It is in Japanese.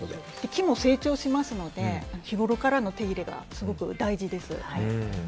木も成長しますので日ごろからの手入れがすごく大事です。